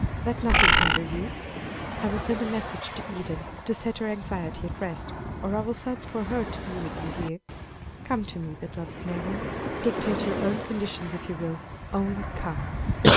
let nothing hinder you. I will send a message to Edith to set her anxiety at rest, or I will send for her to be with you here. Come to me, beloved Marian. Dictate your own conditions if you will only come."